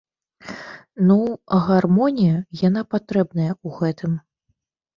Ну, гармонія, яна патрэбная ў гэтым.